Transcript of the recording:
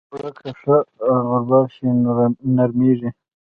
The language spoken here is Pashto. اوړه که ښه غربال شي، نرمېږي